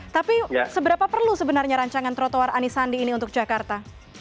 tapi seberapa perlu sebenarnya rancangan protowar anisandi ini untuk jakarta